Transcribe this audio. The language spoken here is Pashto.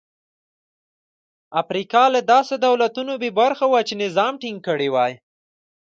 افریقا له داسې دولتونو بې برخې وه چې نظم ټینګ کړي وای.